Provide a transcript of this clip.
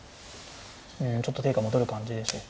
うんちょっと手が戻る感じでしょうか。